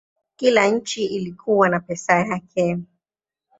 Kila nchi ilikuwa na pesa yake.